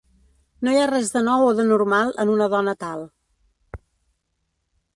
No hi ha res de nou o d'anormal en una dona tal.